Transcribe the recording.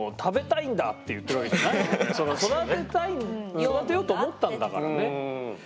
その育てたい育てようと思ったんだからね。